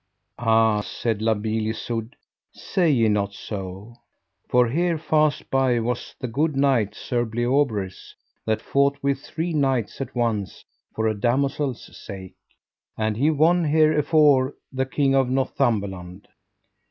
Ah, said La Beale Isoud, say ye not so, for here fast by was the good knight Sir Bleoberis, that fought with three knights at once for a damosel's sake, and he won her afore the King of Northumberland.